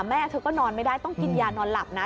แม่เธอก็นอนไม่ได้ต้องกินยานอนหลับนะ